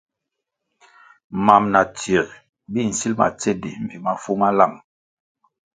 Mam na tsier bi nsíl ma tsendi mbpi mafu ma láng.